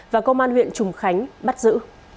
và công an huyện trùng khánh bắt giữ